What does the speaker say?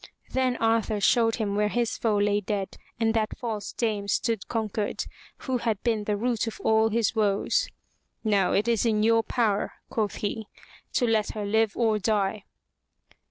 '' Then Arthur showed him where his foe lay dead and that false dame stood conquered, who had been the root of all his woes. "Now is it in your power,'' quoth he, "to let her live or die."